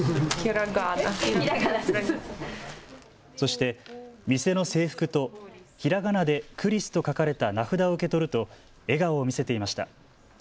そして店の制服とひらがなで、くりすと書かれた名札を受け取ると笑顔を見せていました。